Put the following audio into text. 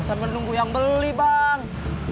sambil menunggu yang beli bang